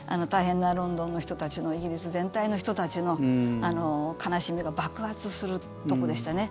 ロンドンの人たちのイギリス全体の人たちの悲しみが爆発するとこでしたね。